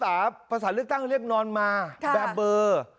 ภาษาเลือกตั้งเรียกนอนมาแบบเบอร์